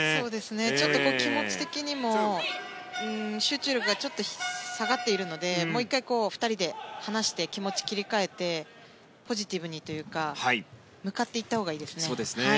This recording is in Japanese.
ちょっと、気持ち的にも集中力が下がっているのでもう１回、２人で話して気持ちを切り替えてポジティブにというか向かっていったほうがいいですね。